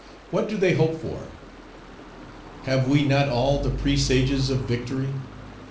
What do they hope for? Have we not all the presages of victory?